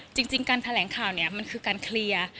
จริงการแถลงข่าวเนี่ยมันคือการเคลียร์